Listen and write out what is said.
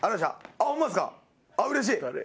あっうれしい！